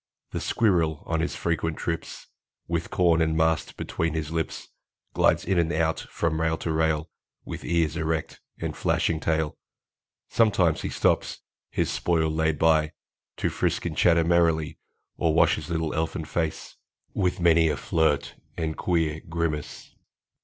The squirrel, on his frequent trips With corn and mast between his lips, Glides in and out from rail to rail, With ears erect and flashing tail. Sometimes he stops, his spoil laid by, To frisk and chatter merrily, Or wash his little elfin face, With many a flirt and queer grimace.